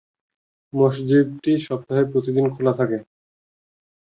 মসজিদটি সপ্তাহে প্রতিদিন খোলা থাকে।